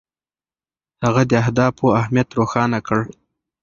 هغه د اهدافو اهمیت روښانه کړ.